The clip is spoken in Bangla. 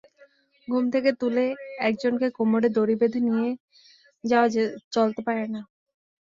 ঘুম থেকে তুলে একজনকে কোমরে দড়ি বেঁধে নিয়ে যাওয়া চলতে পারে না।